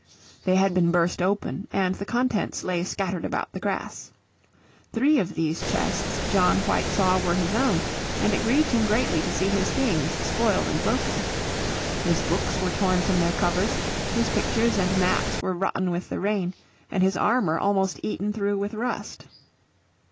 They had been burst open and the contents lay scattered about the grass. Three of these chests John White saw were his own, and it grieved him greatly to see his things spoiled and broken. His books were torn from their covers, his pictures and maps were rotten with the rain, and his armour almost eaten through with rust.